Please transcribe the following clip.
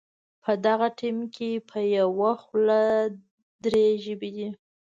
په دغه ټیم کې په یوه خوله درې ژبې دي.